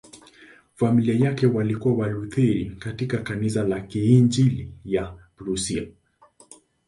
Familia yake walikuwa Walutheri katika Kanisa la Kiinjili la Prussia.